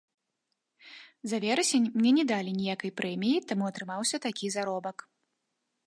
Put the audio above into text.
За верасень мне не далі ніякай прэміі, таму атрымаўся такі заробак.